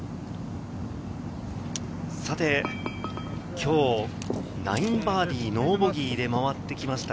今日、９バーディー、ノーボギーで回ってきました